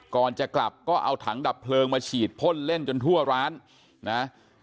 ก่อนจะกลับก็เอาถังดับเพลิงมาฉีดพ่นเล่นจนทั่วร้านนะ